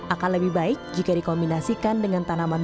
akan lebih baik jika dikombinasikan dengan tanaman